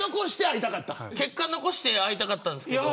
結果残して会いたかったんですけれど。